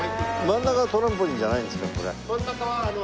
真ん中はトランポリンではないです。